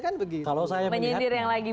kan begitu menyindir yang lagi